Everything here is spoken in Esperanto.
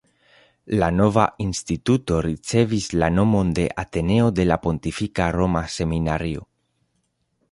La nova Instituto ricevis la nomon de “Ateneo de la Pontifika Roma Seminario”.